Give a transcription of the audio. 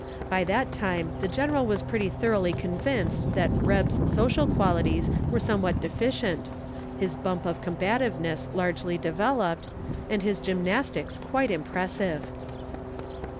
By that time the General was pretty thoroughly convinced that "Reb's" social qualities were somewhat deficient, his bump of combativeness largely developed, and his gymnastics quite impressive.